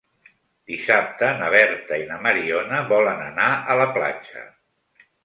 Dissabte na Berta i na Mariona volen anar a la platja.